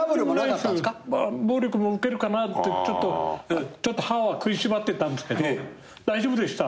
暴力も受けるかなってちょっと歯は食いしばってたんですけど大丈夫でした！